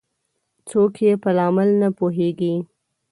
څوک یې په لامل نه پوهیږي